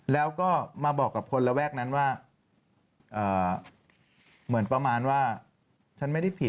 แล้วก็มาบอกกับคนระแวกนั้นว่าเหมือนประมาณว่าฉันไม่ได้ผิด